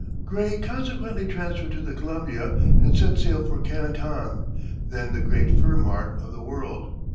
Gray consequently transferred to the Columbia and set sail for Canton, then the great fur mart of the world.